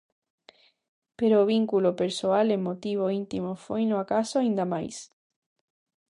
Pero o vínculo persoal, emotivo, íntimo, foino acaso aínda máis.